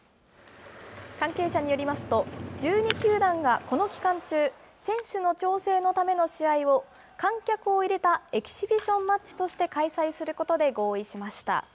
関係者によりますと、１２球団がこの期間中、選手の調整のための試合を観客を入れたエキシビションマッチとして開催することで合意しました。